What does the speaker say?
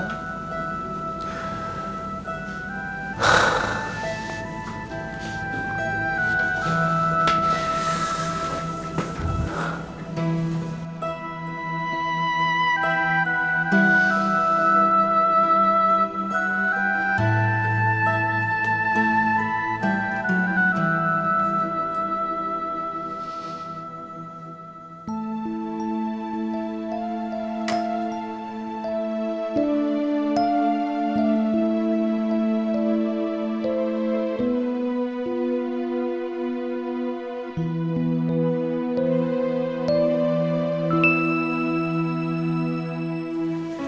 terima kasih atas dukunganmu